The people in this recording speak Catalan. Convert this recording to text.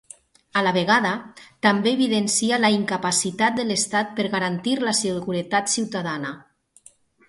A la vegada, també evidencia la incapacitat de l'estat per garantir la seguretat ciutadana.